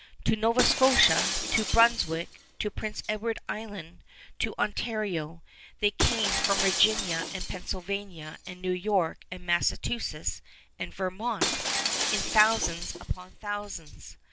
To Nova Scotia, to New Brunswick, to Prince Edward Island, to Ontario, they came from Virginia and Pennsylvania and New York and Massachusetts and Vermont, in thousands upon thousands.